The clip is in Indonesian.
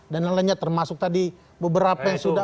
dan lain lainnya termasuk tadi beberapa yang sudah